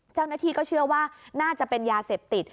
เจ้าหน้าที่ก็เชื่อว่าน่าจะเป็นยาเสพติด